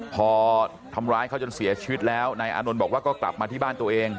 พอทำร้ายเขาจนเสียชีวิตแล้วนายอานนท์บอกว่าก็กลับมาที่บ้านตัวเอง